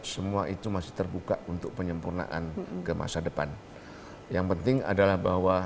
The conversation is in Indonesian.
kita sudah memilih